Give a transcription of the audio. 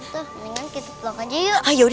tante mendingan kita vlog aja yuk